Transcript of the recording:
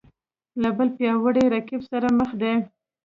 له بل پیاوړي رقیب سره مخ دی